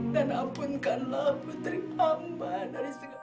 dan ampunkanlah putri amban dari segala